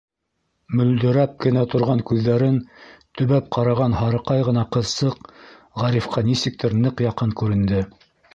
Мөлдөрәп кенә торған күҙҙәрен төбәп ҡараған һарыҡай ғына ҡыҙсыҡ Ғарифҡа нисектер ныҡ яҡын күренде.